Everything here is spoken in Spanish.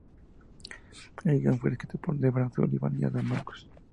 El guion fue escrito por Debra Sullivan y Adam Marcus.